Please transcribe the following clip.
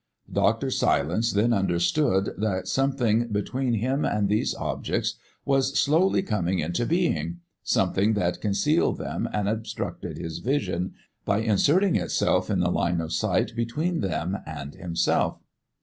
Dr. Silence then understood that something between him and these objects was slowly coming into being, something that concealed them and obstructed his vision by inserting itself in the line of sight between them and himself.